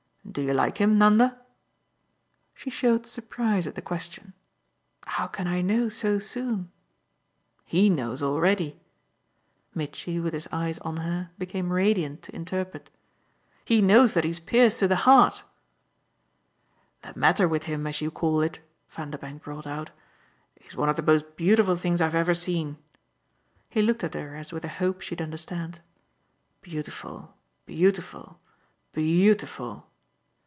"Do you like him, Nanda?" She showed surprise at the question. "How can I know so soon?" "HE knows already." Mitchy, with his eyes on her, became radiant to interpret. "He knows that he's pierced to the heart!" "The matter with him, as you call it," Vanderbank brought out, "is one of the most beautiful things I've ever seen." He looked at her as with a hope she'd understand. "Beautiful, beautiful, beautiful!"